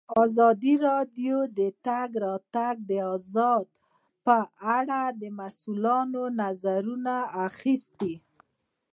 ازادي راډیو د د تګ راتګ ازادي په اړه د مسؤلینو نظرونه اخیستي.